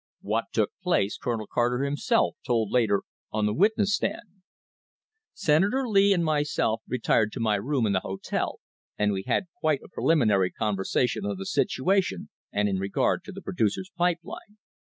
What took place Colonel Carter himself told later on the witness stand : "Senator Lee and myself retired to my room in the hotel and we had quite a pre liminary conversation on the situation and in regard to the Producers' Pipe Line.